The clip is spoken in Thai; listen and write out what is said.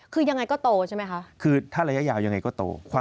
คือยังไงก็โตใช่ไหมคะ